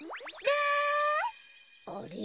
あれ？